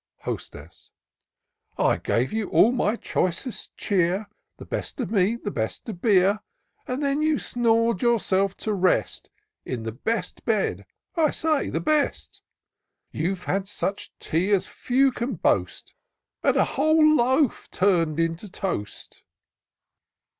H0STES9. " I gave you all my choicest cheer. The best of meat, the best of beer; And then you snor'd yourself to rest In the best bed — ^I say the best. You've had such tea as few can boast. With a whole loaf tum'd into toast."